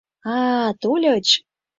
— А-а, тольыч!